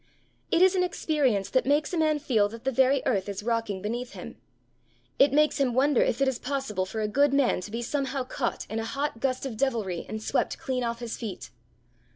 It is an experience that makes a man feel that the very earth is rocking beneath him; it makes him wonder if it is possible for a good man to be somehow caught in a hot gust of devilry and swept clean off his feet.